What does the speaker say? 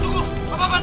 aduh bapak karun